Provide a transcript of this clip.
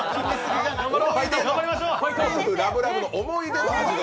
夫婦ラブラブの思い出のお店。